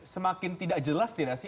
semakin tidak jelas tidak sih